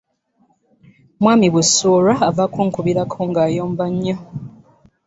Mwami Busuulwa ava kunkubirako ng'ayomba nnyo.